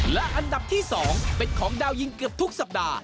และอันดับที่๒เป็นของดาวยิงเกือบทุกสัปดาห์